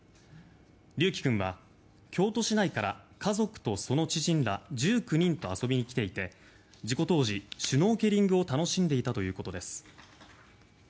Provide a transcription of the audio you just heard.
琉葵君は京都市内から家族とその知人ら１９人と遊びに来ていて事故当時、シュノーケリングを楽しんでいたということです。